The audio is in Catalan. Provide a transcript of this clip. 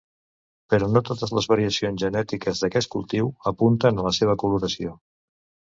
Però no totes les variacions genètiques d'aquest cultiu apunten a la seva coloració.